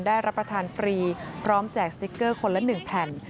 ได้รับประทานฟรีพร้อมแจกสติ๊กเกอร์คนละ๑แผ่น